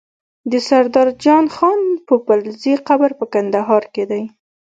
د سردار جان خان پوپلزی قبر په کندهار کی دی